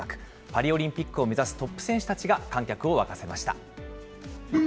パリオリンピックを目指すトップ選手たちが観客を沸かせました。